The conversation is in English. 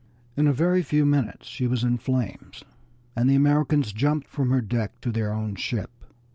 In a very few minutes she was in flames, and the Americans jumped from her deck to their own ship.